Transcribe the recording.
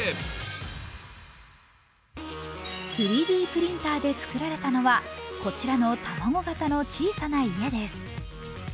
３Ｄプリンターで造られたのはこちらの卵形の小さな家です。